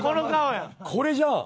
これじゃん！